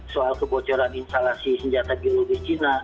soal kebocoran instalasi senjata biologis china